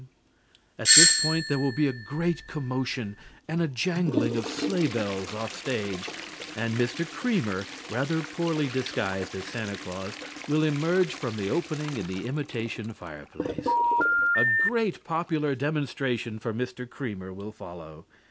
_" At this point there will be a great commotion and jangling of sleigh bells off stage, and Mr. Creamer, rather poorly disguised as Santa Claus, will emerge from the opening in the imitation fire place. A great popular demonstration for Mr. Creamer will follow.